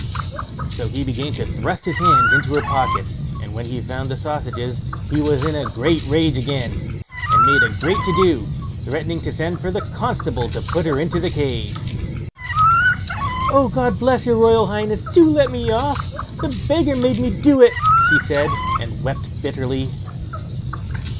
So he began to thrust his hands into her pockets, and when he found the sausages he was in a great rage again, and made a great to do, threatening to send for the constable and put her into the cage. "Oh, God bless your royal highness; do let me off! The beggar made me do it", she said, and wept bitterly.